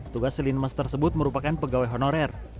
tugas linmas tersebut merupakan pegawai honorer